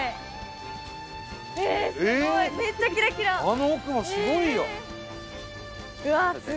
あの奥もすごいよ！